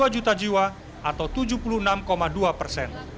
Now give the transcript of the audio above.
dua juta jiwa atau tujuh puluh enam dua persen